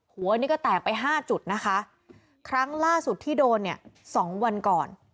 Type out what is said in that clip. หัวนี่ก็แตกไปห้าจุดนะคะครั้งล่าสุดที่โดนเนี่ยสองวันก่อน